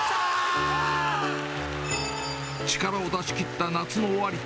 力を出しきった夏の終わり。